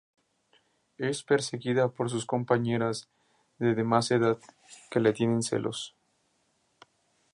Es perseguida por compañeras de más edad que le tienen celos.